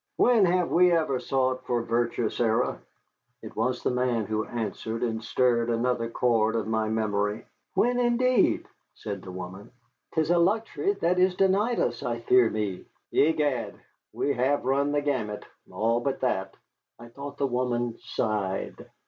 "When have we ever sought for virtue, Sarah?" It was the man who answered and stirred another chord of my memory. "When, indeed!" said the woman; "'tis a luxury that is denied us, I fear me." "Egad, we have run the gamut, all but that." I thought the woman sighed.